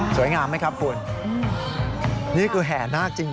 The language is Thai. สวยงามไหมครับอุ่นนี่กูแห่นาคจริง